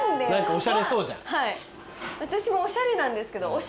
私もおしゃれなんですけど。